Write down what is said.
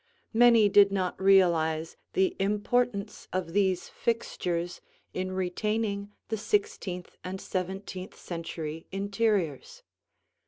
Many did not realize the importance of these fixtures in retaining the sixteenth and seventeenth century interiors.